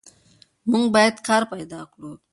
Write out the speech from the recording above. موږ باید کار پیدا کړو.